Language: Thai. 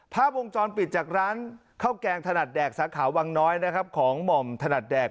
ภาพวงจรปิดจากร้านข้าวแกงถนัดแดกสาขาวังน้อยนะครับของหม่อมถนัดแดก